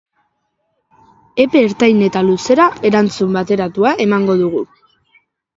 Epe ertain eta luzera erantzun bateratua emango dugu.